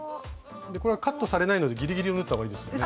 これはカットされないのでギリギリを縫った方がいいですよね。